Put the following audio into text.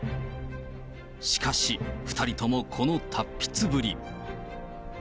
しかし、２人ともこの達筆ぶり。